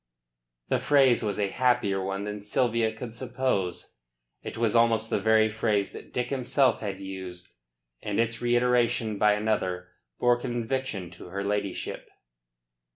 The phrase was a happier one than Sylvia could suppose. It was almost the very phrase that Dick himself had used; and its reiteration by another bore conviction to her ladyship.